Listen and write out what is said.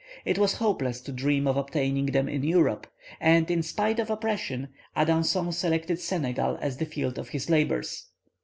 It was hopeless to dream of obtaining them in Europe, and, in spite of opposition, Adanson selected Senegal as the field of his labours.